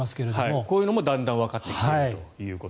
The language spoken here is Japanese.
こういうのもだんだんわかってきていると。